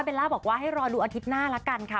ล่าบอกว่าให้รอดูอาทิตย์หน้าละกันค่ะ